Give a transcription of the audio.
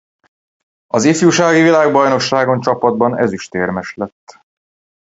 Az ifjúsági világbajnokságon csapatban ezüstérmes lett.